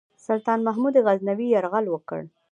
سلطان محمود غزنوي یرغل وکړ.